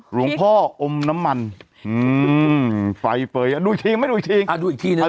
หลวงพ่ออมน้ำมันอืมไฟเฟย์อ่ะดูอีกทีไม่ดูอีกทีอ่าดูอีกทีนะครับ